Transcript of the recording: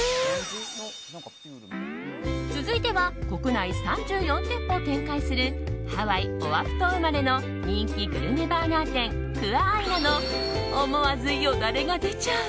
続いては国内３４店舗を展開するハワイ・オアフ島生まれの人気グルメバーガー店クア・アイナの思わずよだれが出ちゃう！